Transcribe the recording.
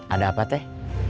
ada apa teh